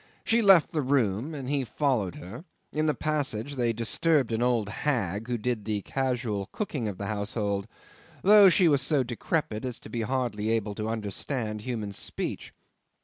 She left the room, and he followed her; in the passage they disturbed an old hag who did the casual cooking of the household, though she was so decrepit as to be hardly able to understand human speech.